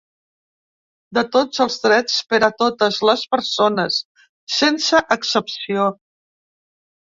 De tots els drets per a totes les persones, sense excepció.